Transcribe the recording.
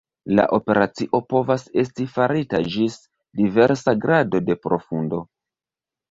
La operacio povas esti farita ĝis diversa grado de profundo.